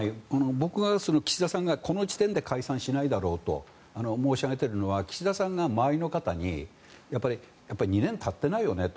僕が岸田さんがこの時点で解散しないだろうと申し上げているのは岸田さんが周りの方に２年たっていないよねと。